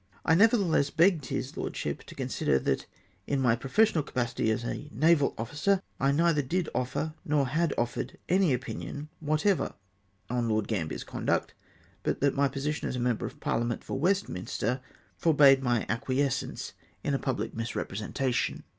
I never theless begged his lordsliip to consider that in my pro fessional capacity as a naval officer, I neitlier did offer nor had offered, any opinion whatever on Lord Gam bier's conduct, but that my position as member of Parhament for Westminster forbade my acquiescence in a public misrepresentation.